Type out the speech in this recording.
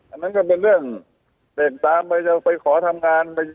อันนั้นก็เป็นเรื่องเร่งตามไปจะไปขอทำงาน